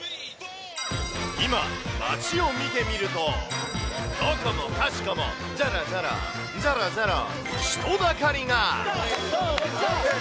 今、街を見てみると、どこもかしこも、ぞろぞろ、ぞろぞろ、人だかりが。